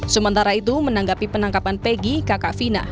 sementara itu menanggapi penangkapan peggy kakak fina